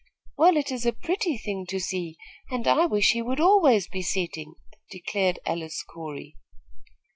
"Well, it is a pretty thing to see, and I wish he would always be setting," declared Alice Corey.